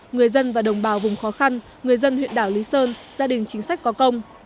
người dân và đồng bào vùng khó khăn người dân huyện đảo lý sơn gia đình chính sách có công